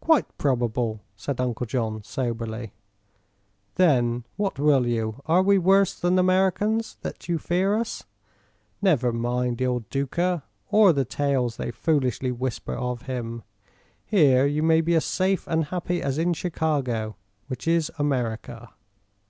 "Quite probable," said Uncle John, soberly. "Then, what will you? Are we worse than Americans, that you fear us? Never mind Il Duca, or the tales they foolishly whisper of him. Here you may be as safe and happy as in Chicago which is America."